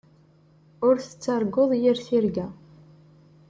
Ur tettarguḍ yir tirga.